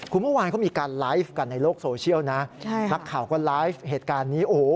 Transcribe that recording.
คือเมื่อวานเขามีการไลฟ์กันในโลกโซเชียลนะใช่นักข่าวก็ไลฟ์เหตุการณ์นี้โอ้โห